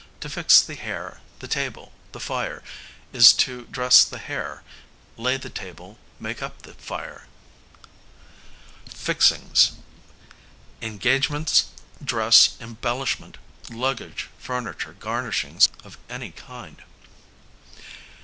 To fix the hair, the table, the fire, is to dress the hair, lay the table, make up the fire. Fixings, arrangements, dress, embellishments, luggage, furniture, garnishings of any kind.